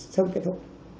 sớm kết thúc